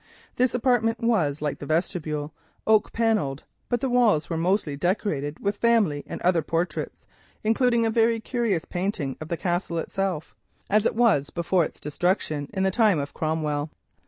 This apartment was like the vestibule, oak panelled, but the walls were decorated with family and other portraits, including a very curious painting of the Castle itself, as it was before its destruction in the time of Cromwell.